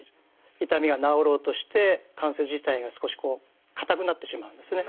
痛みが治ろうとして関節自体が少しこう硬くなってしまうんですね。